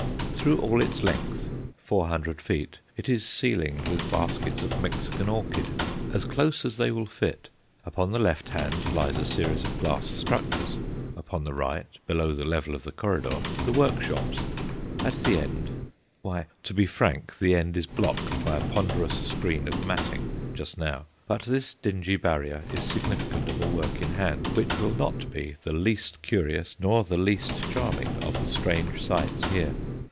Through all its length, four hundred feet, it is ceilinged with baskets of Mexican orchid, as close as they will fit. Upon the left hand lie a series of glass structures; upon the right, below the level of the corridor, the workshops; at the end why, to be frank, the end is blocked by a ponderous screen of matting just now. But this dingy barrier is significant of a work in hand which will not be the least curious nor the least charming of the strange sights here.